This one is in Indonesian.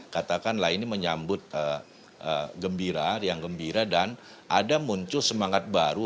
katakanlah ini menyambut gembira riang gembira dan ada muncul semangat baru